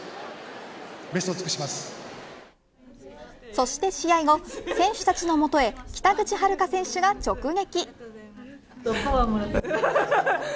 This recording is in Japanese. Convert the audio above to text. そして試合後選手たちのもとへ北口榛花選手が直撃。